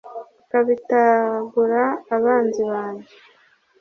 ukubitagura abanzi banjye